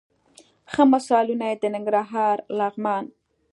ښه مثالونه یې د ننګرهار، لغمان،